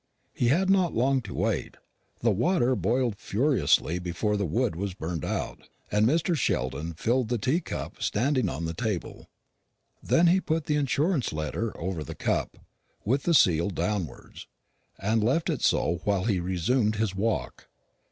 He had not long to wait; the water boiled furiously before the wood was burned out, and Mr. Sheldon filled the tea cup standing on the table. Then he put the insurance letter over the cup, with the seal downwards, and left it so while he resumed his walk.